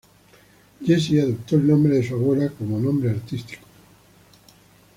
Jessie adoptó el nombre de su abuela como nombre artístico.